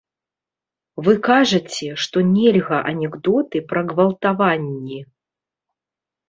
Вы кажаце, што нельга анекдоты пра гвалтаванні.